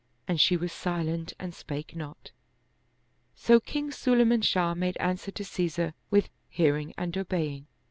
And she was silent and spake not. So King Sulayman Shah made answer to Caesar with " Hearing and obeying."